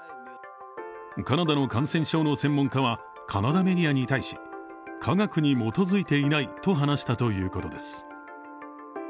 カナダの感染症の専門家はカナダメディアに対し、科学に基づいていないと話したということです。